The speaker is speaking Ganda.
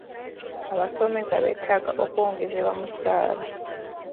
Abasomesa beetaaga okwongezebwa omusaala